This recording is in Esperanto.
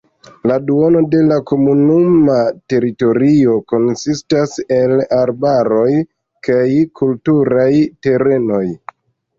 La duono de la komunuma teritorio konsistas el arbaroj kaj kulturaj terenoj.